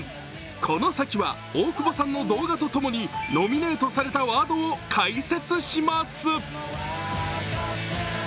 この先は大久保さんの動画とともにノミネートされたワードを解説します。